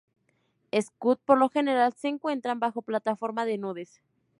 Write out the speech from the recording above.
Scud por lo general se encuentran bajo plataforma de nubes.